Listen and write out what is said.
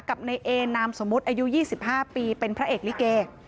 กับในเอนามสมมุติอายุ๒๕ปีเป็นพระเอกลิเก